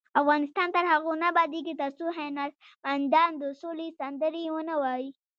افغانستان تر هغو نه ابادیږي، ترڅو هنرمندان د سولې سندرې ونه وايي.